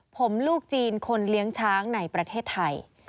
ผมลูกจีนคนเลี้ยงช้างในประเทศไทย